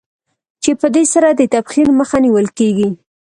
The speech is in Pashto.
چې په دې سره د تبخیر مخه نېول کېږي.